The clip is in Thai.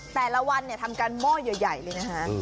แต่ละวันเนี่ยทำการม่อยใหญ่เลยนะฮะ